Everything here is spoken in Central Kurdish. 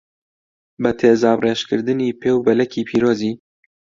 بە تیزابڕێژکردنی پێ و بەلەکی پیرۆزی